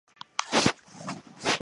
首府邦戈尔。